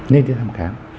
nên đi thăm khám